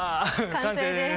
完成です！